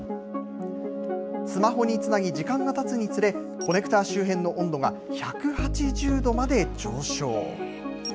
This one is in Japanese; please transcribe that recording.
スマホにつなぎ時間がたつにつれ、コネクター周辺の温度が１８０度まで上昇。